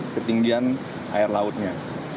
ketinggian air lautnya